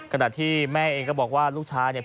ขณะที่แม่เองก็บอกว่าลูกชายเนี่ย